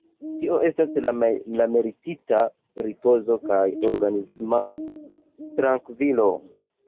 Tio estas la meritita ripozo kaj organisma trankvilo.